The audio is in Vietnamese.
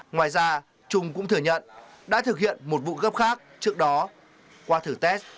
ngoài ra trung đã đặt tài sản vào tài khoản của bị hại